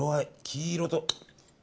黄色と。